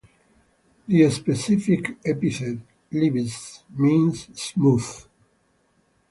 The specific epithet ("laevis") means "smooth".